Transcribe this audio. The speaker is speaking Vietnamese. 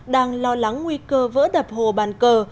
đang lo lắng nguy cơ vỡ đập hồ bàn cờ